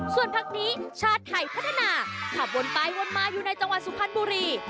ส่วนพักนี้ชาติไทยพัฒนาขับวนไปวนมาอยู่ในจังหวัดสุพรรณบุรี